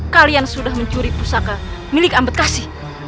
kalian sudah mencuri pusaka milik ambetkasi